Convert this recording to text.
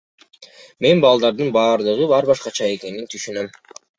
Мен балдардын бардыгы ар башкача экенин түшүнөм.